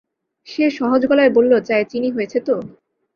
সে সহজ গলায় বলল, চায়ে চিনি হয়েছে তো?